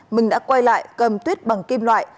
mình đã quay lại cầm tuyết bằng kim loại